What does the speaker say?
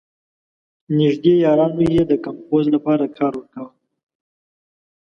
نېږدې یارانو یې د کمپوز لپاره کار ورکاوه.